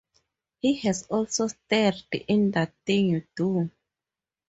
He has also starred in That Thing You Do!